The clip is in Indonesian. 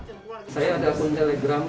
saya ada akun telegram